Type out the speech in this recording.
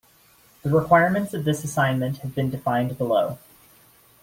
The requirements of this assignment have been defined below.